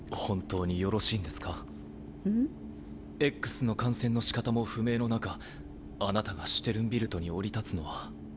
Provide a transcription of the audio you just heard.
Ｘの感染の仕方も不明の中あなたがシュテルンビルトに降り立つのは。